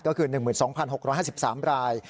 ก็คือ๑๒๖๕๓ราย